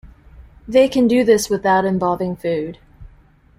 They can do this without involving food.